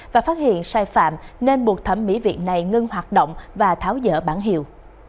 và phát hiện sai phạm nên buộc thẩm mỹ viện này ngưng hoạt động và tháo dỡ bản hiệu